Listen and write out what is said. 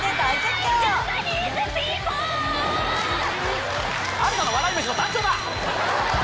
新たな笑い飯の誕生だ。